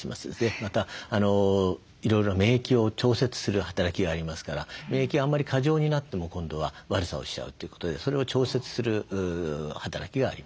またいろいろ免疫を調節する働きがありますから免疫があんまり過剰になっても今度は悪さをしちゃうということでそれを調節する働きがあります。